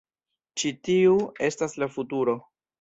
Ĉi tiu estas la futuro.